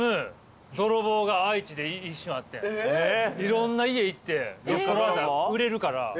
いろんな家行ってロストラータ売れるから。